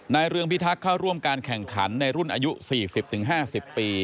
เรืองพิทักษ์เข้าร่วมการแข่งขันในรุ่นอายุ๔๐๕๐ปี